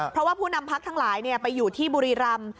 เพราะว่าผู้นำพักทั้งหลายไปอยู่ที่บุรีรำ